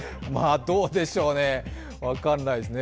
どうでしょうね、分からないですね。